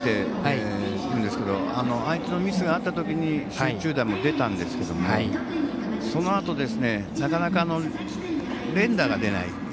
８本ヒットを打っているんですけど相手のミスがあったときに集中打も出たんですけどそのあと、なかなか連打が出ない。